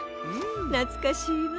なつかしいわ。